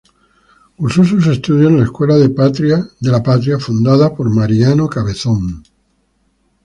Cursó sus estudios en la Escuela de la Patria, fundada por Mariano Cabezón.